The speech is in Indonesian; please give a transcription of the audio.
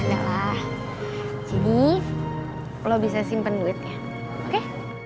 ada lah jadi lo bisa simpen duitnya oke